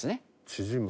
縮む。